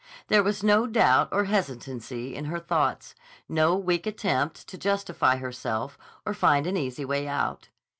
There was no doubt or hesitancy in her thoughts, no weak attempt to justify herself or find an easy way out.